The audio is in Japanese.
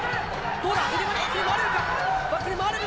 どうだ？